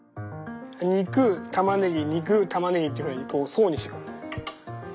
肉たまねぎ肉たまねぎっていうふうにこう層にしていく。